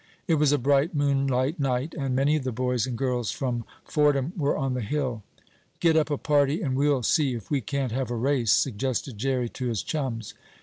It was a bright moonlight night, and many of the boys and girls from Fordham were on the hill. "Get up a party and we'll see if we can't have a race," suggested Jerry to his chums.